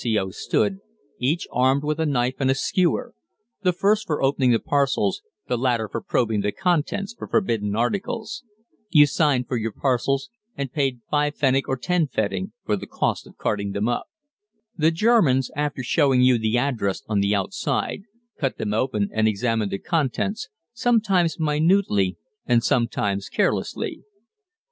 C.O.'s stood, each armed with a knife and a skewer the first for opening the parcels, the latter for probing the contents for forbidden articles. You signed for your parcels and paid 5 Pf. or 10 Pf. for the cost of carting them up. The Germans, after showing you the address on the outside, cut them open and examined the contents, sometimes minutely and sometimes carelessly.